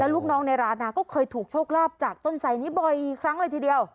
อ่อแล้วลูกน้องในร้านน่าก็เคยถูกโชคราบจากต้นไซน์นี้บ่อยครั้งหนึ่งทีเดียว